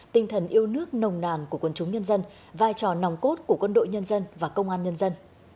tinh thần yêu nước nồng nàn của quân chúng nhân dân vai trò nòng cốt của quân đội nhân dân và công an nhân dân